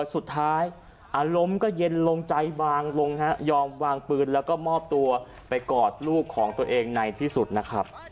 สุดท้ายอารมณ์ก็เย็นลงใจบางลงฮะยอมวางปืนแล้วก็มอบตัวไปกอดลูกของตัวเองในที่สุดนะครับ